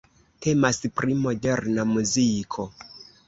Temas pri Moderna muziko.